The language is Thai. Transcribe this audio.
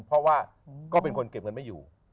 เพราะว่าก็เป็นคนเก็บเงินไม่อยู่